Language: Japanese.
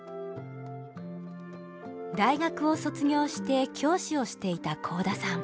大学を卒業して教師をしていた甲田さん。